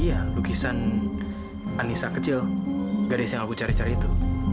anissa kecil gadis yang aku cari cari itu